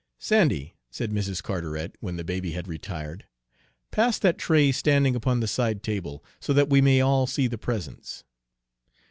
"Sandy," said Mrs. Carteret when the baby had retired, "pass that tray standing upon the side table, so that we may all see the presents."